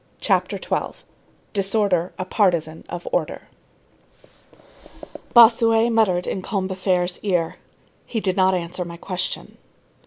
CHAPTER XII—DISORDER A PARTISAN OF ORDER Bossuet muttered in Combeferre's ear: "He did not answer my question."